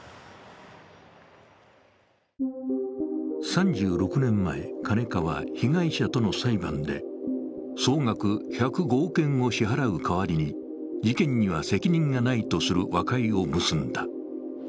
３６年前、カネカは被害者との裁判で総額１０５億円を支払う代わりに、事件には責任がないとする和解を結んだ。